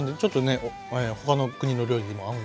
他の国の料理にも合うんですよね。